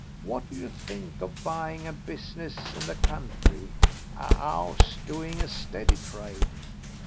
What do you think of buying a business in the country, a 'ouse doing a steady trade?